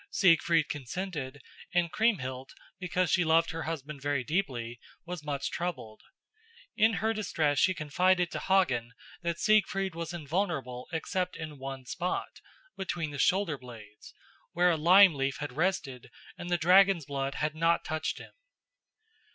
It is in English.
Siegfried consented, and Kriemhild, because she loved her husband very deeply, was much troubled. In her distress she confided to Hagen that Siegfried was invulnerable except in one spot, between the shoulder blades, where a lime leaf had rested and the dragon's blood had not touched him.